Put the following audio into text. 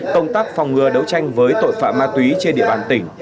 công tác phòng ngừa đấu tranh với tội phạm ma túy trên địa bàn tỉnh